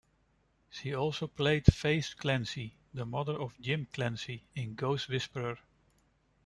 She also played Faith Clancy, the mother of Jim Clancy in "Ghost Whisperer".